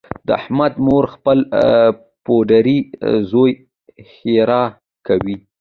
د احمد مور خپل پوډري زوی ښیرأ کاوه.